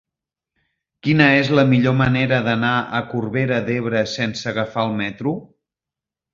Quina és la millor manera d'anar a Corbera d'Ebre sense agafar el metro?